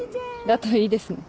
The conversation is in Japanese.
だといいですね。